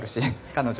彼女